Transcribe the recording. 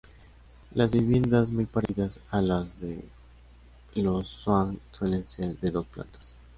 Las viviendas, muy parecidas a las de los zhuang, suelen ser de dos plantas.